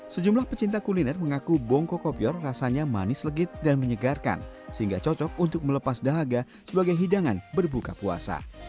sejumlah pecinta kuliner mengaku bongko kopior rasanya manis legit dan menyegarkan sehingga cocok untuk melepas dahaga sebagai hidangan berbuka puasa